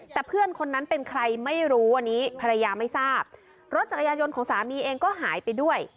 แต่เพื่อนคนนั้นเป็นใครไม่รู้อันนี้ภรรยาไม่ทราบรถจักรยานยนต์ของสามีเองก็หายไปด้วย